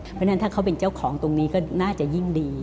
เพราะฉะนั้นถ้าเขาเป็นเจ้าของตรงนี้ก็น่าจะยิ่งดี